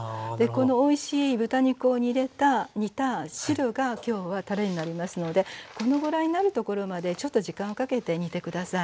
このおいしい豚肉を煮れた煮た汁がきょうはたれになりますのでこのぐらいになるところまでちょっと時間をかけて煮て下さい。